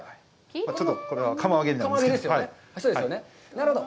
ちょっとこれは釜揚げになりますけど。